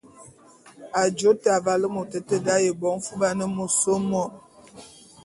Ajô te, avale môt éte d’aye bo mfuban môs mwuam.